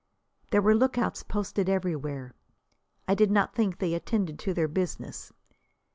There were lookouts posted everywhere. I did not think they attended to their business.